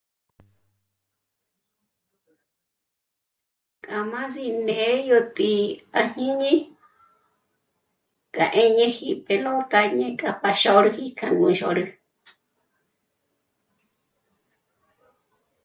K'a m'âs'i né'e yó t'î'i àjñini k'a 'éñeji pelóta ñé'e k'a pa nú xôrüji k'a nú ndzhôrü